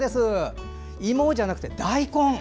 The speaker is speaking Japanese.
芋じゃなくて大根。